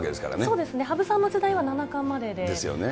そうですね、羽生さんの時代ですよね。